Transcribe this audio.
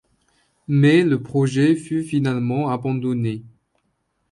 Mais, le projet fut finalement abandonné.